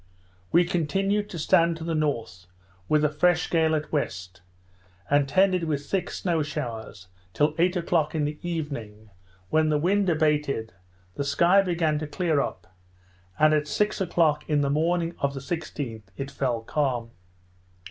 We continued to stand to the north, with a fresh gale at west, attended with thick snow showers, till eight o'clock in the evening, when the wind abated, the sky began to clear up, and at six o'clock in the morning of the 16th it fell calm.